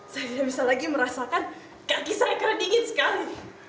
saya tidak bisa lagi merasakan kaki saya karena dingin sekali